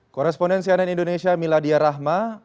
korespondensi ann indonesia miladia rahma